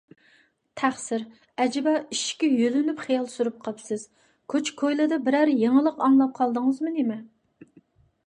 تەخسىر، ئەجەبا، ئىشىككە يۆلىنىپ خىيال سۈرۈپ قاپسىز، كوچا - كويلىدا بىرەر يېڭىلىق ئاڭلاپ قالدىڭىزمۇ نېمە؟